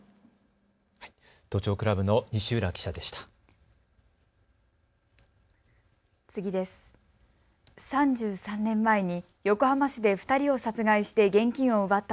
都庁クラブの西浦記者でした。